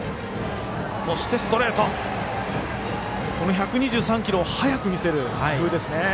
１２３キロを速く見せる工夫ですね。